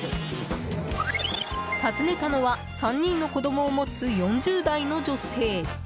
訪ねたのは３人の子供を持つ４０代の女性。